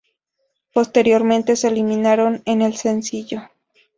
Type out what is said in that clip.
Posteriormente se eliminaron en el sencillo.